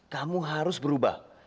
kamu harus berubah